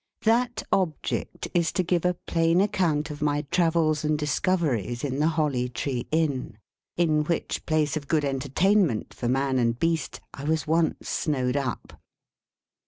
That object is to give a plain account of my travels and discoveries in the Holly Tree Inn; in which place of good entertainment for man and beast I was once snowed up.